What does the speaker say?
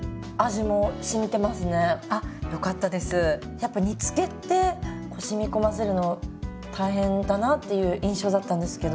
やっぱ煮つけってしみこませるの大変だなという印象だったんですけど。